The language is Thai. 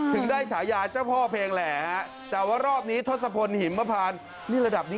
ถึงได้ฉายายเจ้าพ่อเพงแหลงแต่ว่ารอบนี้